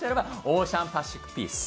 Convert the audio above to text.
オーシャンパシフィックピース？